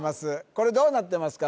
これどうなってますか